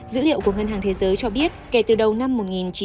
dữ liệu của ngân hàng thế giới cho biết kể từ đầu năm một nghìn chín trăm chín mươi